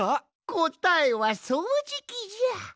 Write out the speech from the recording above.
こたえはそうじきじゃ！